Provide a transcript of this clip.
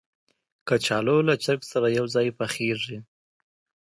کچالو له چرګ سره یو ځای پخېږي